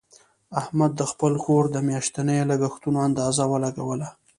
احمد د خپل کور د میاشتنیو لګښتونو اندازه ولګوله.